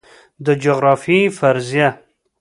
د جغرافیې فرضیه